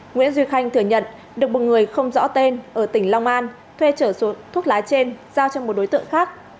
nguyễn duy khanh thừa nhận được một người không rõ tên ở tỉnh long an thuê trở thuốc lá trên giao cho một đối tượng khác